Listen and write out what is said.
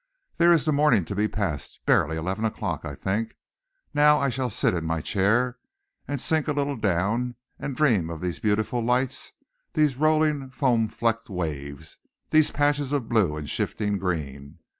There is the morning to be passed barely eleven o'clock, I think, now. I shall sit in my chair, and sink a little down, and dream of these beautiful lights, these rolling, foam flecked waves, these patches of blue and shifting green.